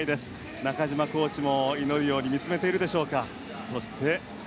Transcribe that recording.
中島コーチも祈るように見つめているでしょうか。